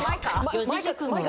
四字熟語は？